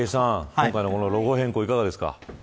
今回のロゴ変更、いかがですか。